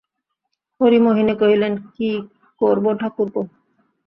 হরিমোহিনী কহিলেন, কী করব ঠাকুরপো!